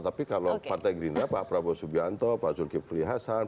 tapi kalau partai gerindra pak prabowo subianto pak zulkifli hasan